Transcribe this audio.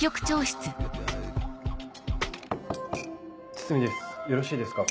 ・堤ですよろしいですか？